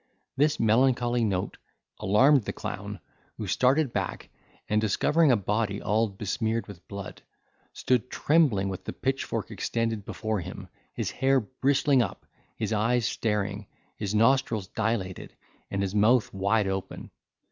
This melancholy note alarmed the clown, who started back, and discovering a body all besmeared with blood, stood trembling, with the pitchfork extended before him, his hair bristling up, his eyes staring, his nostrils dilated, and his mouth wide open.